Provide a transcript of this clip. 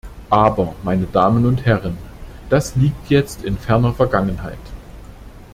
Aber, meine Damen und Herren, das liegt jetzt in ferner Vergangenheit.